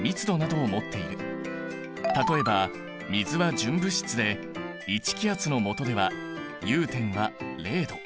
例えば水は純物質で１気圧のもとでは融点は０℃。